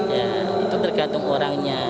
ya itu tergantung orangnya